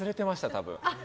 多分。